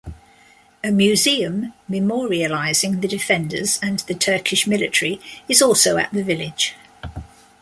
A museum memorializing the defenders and the Turkish military is also at the village.